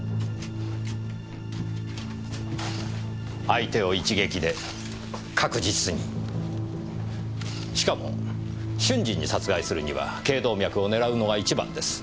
相手を一撃で確実にしかも瞬時に殺害するには頚動脈を狙うのが一番です。